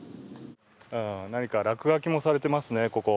何か落書きもされていますね、ここ。